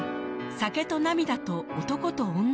『酒と泪と男と女』